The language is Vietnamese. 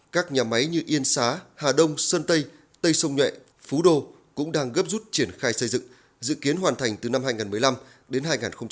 các nhà máy như yên xá hà đông sơn tây tây sông nhuệ phú đô cũng đang gấp rút triển khai xây dựng dự kiến hoàn thành từ năm hai nghìn một mươi năm đến hai nghìn hai mươi